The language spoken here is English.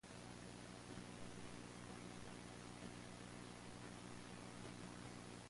The vertical walls are covered by colonies of bromeliads.